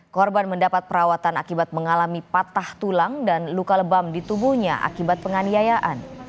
korban mendapat perawatan akibat mengalami patah tulang dan luka lebam di tubuhnya akibat penganiayaan